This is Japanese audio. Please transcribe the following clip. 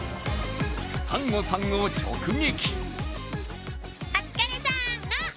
サンゴさんを直撃。